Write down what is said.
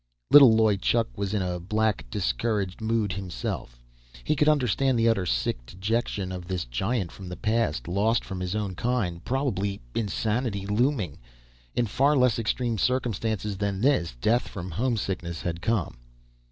Little Loy Chuk was in a black, discouraged mood, himself. He could understand the utter, sick dejection of this giant from the past, lost from his own kind. Probably insanity looming. In far less extreme circumstances than this, death from homesickness had come.